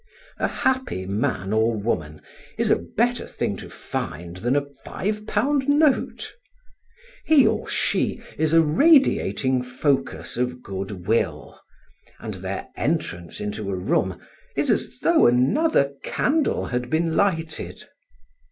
A happy man or woman is a better thing to find than a five pound note. He or she is a radiating focus of good will; and their entrance into a room is as though another candle had been lighted.